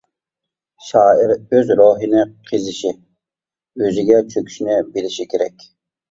شائىر ئۆز روھىنى قېزىشى، ئۆزىگە چۆكۈشنى بىلىشى كېرەك.